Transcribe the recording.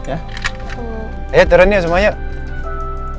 ayo turun yuk semua yuk